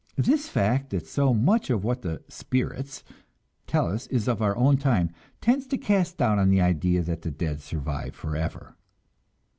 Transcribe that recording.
This fact that so much of what the "spirits" tell us is of our own time tends to cast doubt on the idea that the dead survive forever.